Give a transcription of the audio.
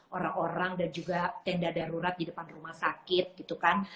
orang orang dan juga tenda darurat di depan rumah sakit gitu kan